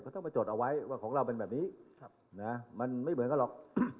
ต้องไปจดเอาไว้ว่าของเราเป็นแบบนี้มันไม่เหมือนกันหรอก